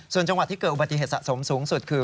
ส่วนจังหวัดที่เกิดอุบัติเหตุสะสมสูงสุดคือ